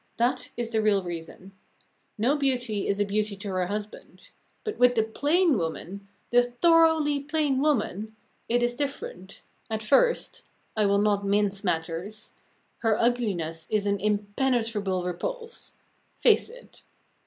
That is the real reason. No beauty is a beauty to her husband. But with the plain woman the thoroughly plain woman it is different. At first I will not mince matters her ugliness is an impenetrable repulse. Face it.